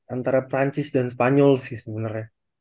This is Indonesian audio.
antara prancis dan spanyol sih sebenernya